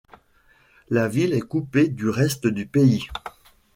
La ville est coupée du reste du pays.